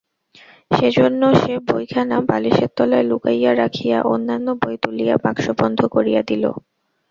সেজন্য সে বইখানা বালিশের তলায় লুকাইয়া রাখিয়া অন্যান্য বই তুলিয়া বাক্স বন্ধ করিয়া দিল।